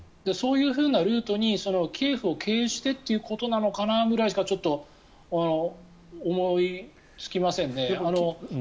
そういうふうなルートにキエフを経由してということなのかなくらいしかちょっと思いつきませんね。